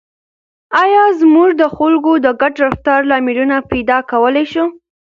آیا موږ د خلکو د ګډ رفتار لاملونه پیدا کولای شو؟